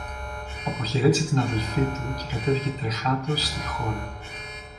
Αποχαιρέτησε την αδελφή του και κατέβηκε τρεχάτος στη χώρα.